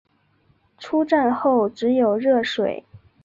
出站后只有热水